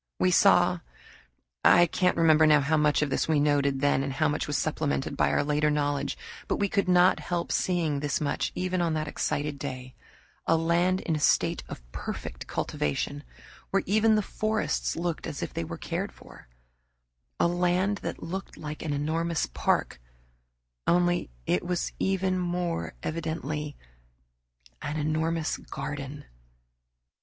We saw I can't remember now how much of this we noted then and how much was supplemented by our later knowledge, but we could not help seeing this much, even on that excited day a land in a state of perfect cultivation, where even the forests looked as if they were cared for; a land that looked like an enormous park, only it was even more evidently an enormous garden.